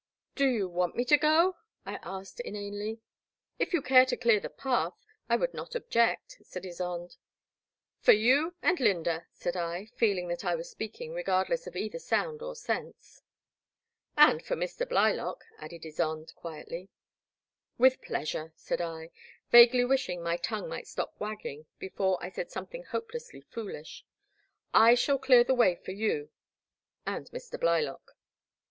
Do you want me to go ?I asked inanely. " If you care to dear the path, I would not object," said Ysonde. For you and Lynda," said I, feeling that I was speaking regardless of either sound or sense. '' ^And for Mr. Blylock," added Ysonde, quietly. With pleasure," said I, vaguely wishing my tongue might stop wagging before I said some thing hopelessly foolish, I shall clear the way for you — and Mr. Blylock."